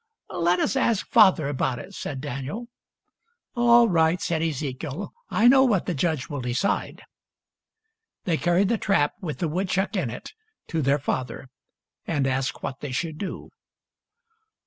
" Let us ask father about it," said Daniel. " All right," said Ezekiel ;" I know what the judge will decide." They carried the trap, with the woodchuck in it, to their father, and asked what they should do.